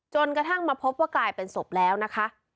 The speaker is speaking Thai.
จนกระทั่งมาพบว่ากลายเป็นศพแล้วนะคะ